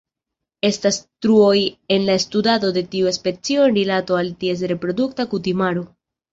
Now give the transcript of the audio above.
Estas truoj en la studado de tiu specio en rilato al ties reprodukta kutimaro.